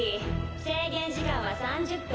制限時間は３０分。